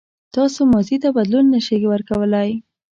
تاسو ماضي ته بدلون نه شئ ورکولای.